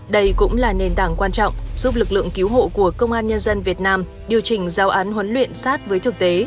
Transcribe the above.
đây cũng là nền tảng quan trọng giúp lực lượng cứu hộ của công an nhân dân việt nam điều chỉnh giao án huấn luyện sát với thực tế